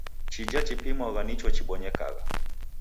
Chija chipimwagha nicho chibonyekagha.